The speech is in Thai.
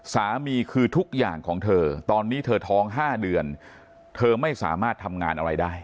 สามีคือทุกอย่างของเธอตอนนี้เธอท้อง๕เดือนเธอไม่สามารถทำงานอะไรได้